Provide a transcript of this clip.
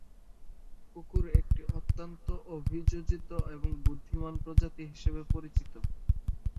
কুকুর একটি অত্যন্ত অভিযোজিত এবং বুদ্ধিমান প্রজাতি হিসাবে পরিচিত।